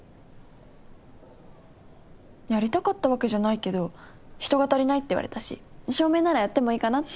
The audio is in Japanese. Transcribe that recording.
やりたかったわけじゃないけど人が足りないって言われたし照明ならやってもいいかなって。